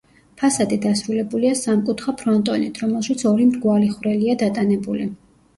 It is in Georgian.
ფასადი დასრულებულია სამკუთხა ფრონტონით, რომელშიც ორი მრგვალი ხვრელია დატანებული.